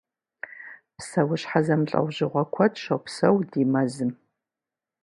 Псэущхьэ зэмылӏэужьыгъуэ куэд щопсэу ди мэзым.